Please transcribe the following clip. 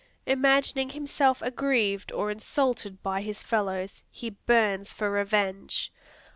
Imagining himself aggrieved or insulted by his fellows, he burns for revenge.